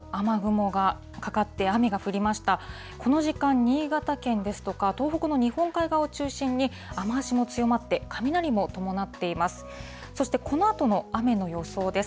この時間、新潟県ですとか、東北の日本海側を中心に、雨足も強まって、雷も伴っています。